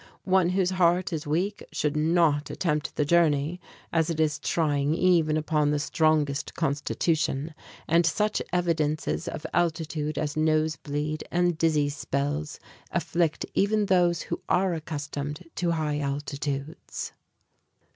One whose heart is weak should not attempt the journey, as it is trying even upon the strongest constitution, and such evidences of altitude as nose bleed and dizzy spells afflict even those who are accustomed to high altitudes.